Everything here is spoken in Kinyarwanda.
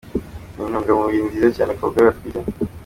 Ni intungamubiri nziza cyane ku bagore batwite.